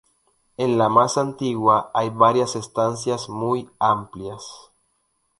En la más antigua hay varias estancias muy amplias.